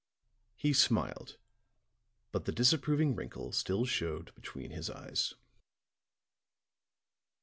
He smiled, but the disapproving wrinkle still showed between his eyes.